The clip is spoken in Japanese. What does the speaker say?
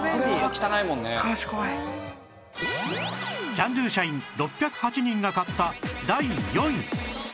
キャンドゥ社員６０８人が買った